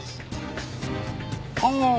ああ！